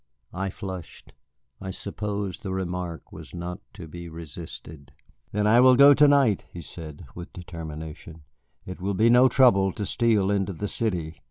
I flushed. I suppose the remark was not to be resisted. "Then I will go to night," he said, with determination. "It will be no trouble to steal into the city.